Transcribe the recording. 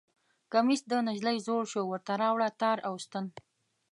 کمیس د نجلۍ زوړ شو ورته راوړه تار او ستن